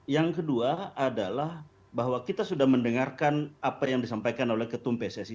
yang kedua adalah bahwa kita sudah mendengarkan apa yang disampaikan oleh ketum pssi